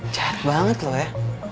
jahat banget lo ya